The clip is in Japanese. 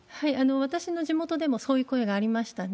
私の地元でもそういう声がありましたね。